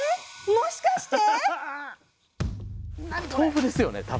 もしかして。